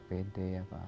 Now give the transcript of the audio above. honey anak yang pinter